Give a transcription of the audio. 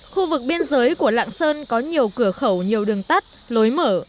khu vực biên giới của lạng sơn có nhiều cửa khẩu nhiều đường tắt lối mở